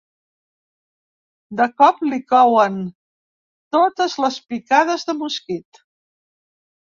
De cop li couen totes les picades de mosquit.